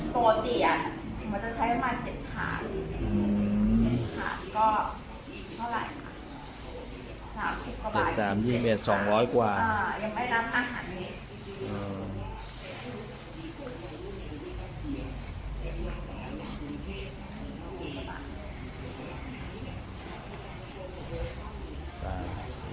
ก็เท่าไหร่๓๐กว่าบาทยังไม่รับอาหาร